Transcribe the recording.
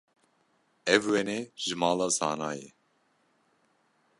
Ev wêne ji mala Zana ye.